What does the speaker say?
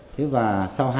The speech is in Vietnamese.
thế và sau hai ngày